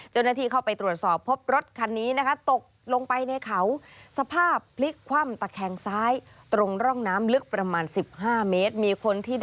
เจ้าหน้าที่เข้าไปตรวจสอบพบรถคันนี้นะคะตกลงไปในเขาสภาพพลิกคว่ำตะแคงซ้ายตรงร่องน้ำลึกประมาณ๑๕เมตร